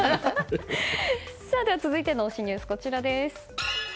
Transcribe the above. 続いての推しニュースはこちら。